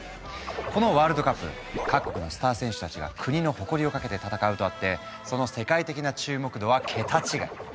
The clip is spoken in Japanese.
このワールドカップ各国のスター選手たちが国の誇りをかけて戦うとあってその世界的な注目度はケタ違い！